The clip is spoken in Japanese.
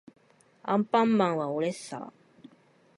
アンパンマンはおれっさー